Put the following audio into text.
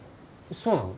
そうなの？